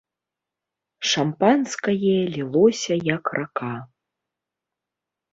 Шампанскае лілося як рака.